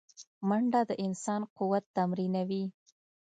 منډه د انسان قوت تمرینوي